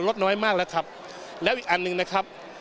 ลดน้อยมากแล้วครับแล้วอีกอันหนึ่งนะครับ